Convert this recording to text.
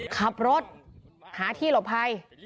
ขับรถหาที่หลบภัย